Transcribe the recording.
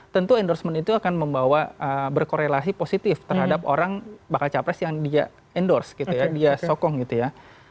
tentu endorsement itu akan membawa berkorelasi positif terhadap orang bakal capres yang dia endorse gitu ya dia sokong gitu ya